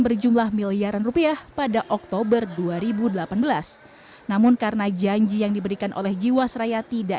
berjumlah miliaran rupiah pada oktober dua ribu delapan belas namun karena janji yang diberikan oleh jiwasraya tidak